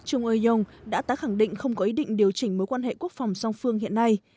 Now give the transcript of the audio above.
trung uy yong đã tác khẳng định không có ý định điều chỉnh mối quan hệ quốc phòng song phương hiện nay